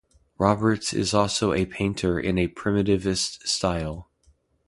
Roberts is also a painter in a primitivist style.